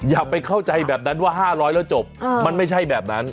อย่าไปเข้าใจแบบนั้นว่า๕๐๐แล้วจบมันไม่ใช่แบบนั้น